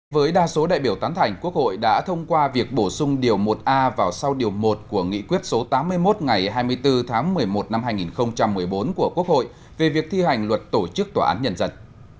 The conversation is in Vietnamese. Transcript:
với đa số đại biểu tán thành quốc hội đã thông qua việc bổ sung điều một a vào sau điều một của nghị quyết số tám mươi một ngày hai mươi bốn tháng một mươi một năm hai nghìn một mươi bốn của quốc hội về việc thi hành luật tổ chức tòa án nhân dân